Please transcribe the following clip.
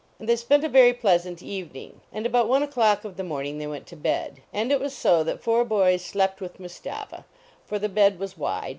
And they spent a very pleasant evening. And about one o clock of the morning they went to bed. And it was so that four boys slept with Mustapha, for the bed was wide.